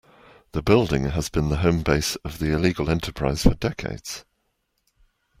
The building has been the home base of the illegal enterprise for decades.